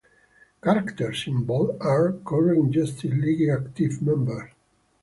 Characters in bold are current Justice League active members.